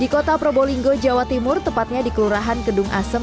di kota probolinggo jawa timur tepatnya di kelurahan kedung asem